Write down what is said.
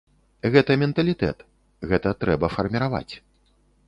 Гэта менталітэт, гэта трэба фарміраваць.